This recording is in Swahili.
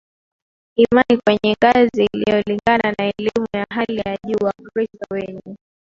imani kwenye ngazi inayolingana na elimu ya hali ya juu Wakristo wenye